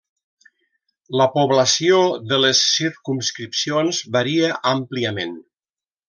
La població de les circumscripcions varia àmpliament.